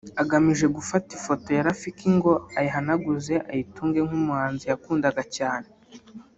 agamije gufata ifoto ya Rafiki ngo ayihanaguze ayitunge nk’umuhanzi yakundaga cyane